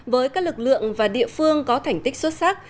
với các lực lượng và địa phương có thành tích xuất sắc